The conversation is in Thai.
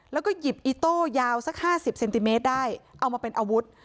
แล้วก็หยิบอีโต้ยาวสัก๕๐เซนติเมตรได้เอามาเป็นอาวุธ